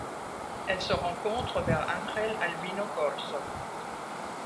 Elle se rencontre vers Ángel Albino Corzo.